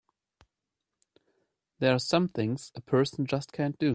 There are some things a person just can't do!